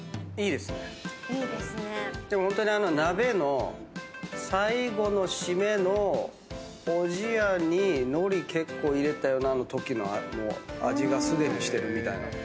でもホントに鍋の最後のシメのおじやに海苔結構入れたときの味がすでにしてるみたいな。